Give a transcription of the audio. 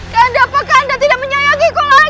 ganda apakah unda tidak menyayangiku lagi